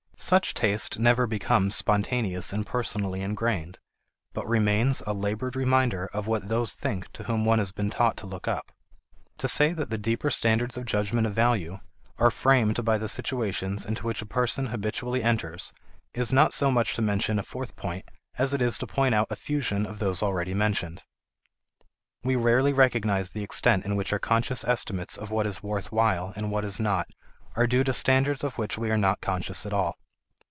Such taste never becomes spontaneous and personally engrained, but remains a labored reminder of what those think to whom one has been taught to look up. To say that the deeper standards of judgments of value are framed by the situations into which a person habitually enters is not so much to mention a fourth point, as it is to point out a fusion of those already mentioned. We rarely recognize the extent in which our conscious estimates of what is worth while and what is not, are due to standards of which we are not conscious at all.